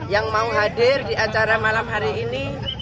yang mau hadir di acara malam hari ini